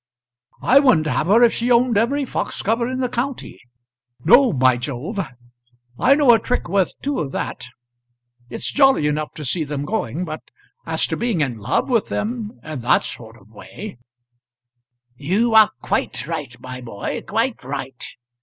"I wouldn't have her if she owned every fox cover in the county. No, by Jove! I know a trick worth two of that. It's jolly enough to see them going, but as to being in love with them in that sort of way " "You are quite right, my boy; quite right.